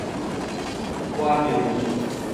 關廟麵